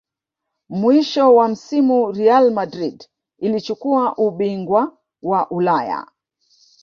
mwisho wa msimu real madrid ilichukua ubungwa wa ulaya